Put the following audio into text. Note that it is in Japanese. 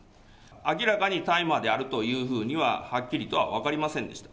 明らかに大麻であるというふうには、はっきりとは分かりませんでした。